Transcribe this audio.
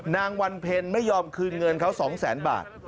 นางวันเพลินไม่ยอมคืนเงินเขา๒๐๐๐๐๐บาท